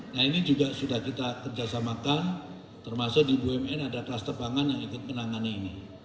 nah ini juga sudah kita kerjasamakan termasuk di bumn ada kluster pangan yang ikut menangani ini